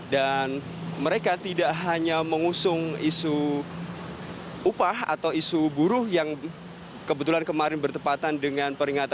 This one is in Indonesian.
dan mereka tidak hanya mengusung isu upah atau isu buruh yang kebetulan kemarin bertepatan dengan peringatan